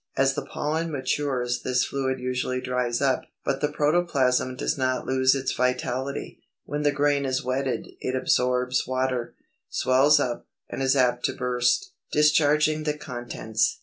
As the pollen matures this fluid usually dries up, but the protoplasm does not lose its vitality. When the grain is wetted it absorbs water, swells up, and is apt to burst, discharging the contents.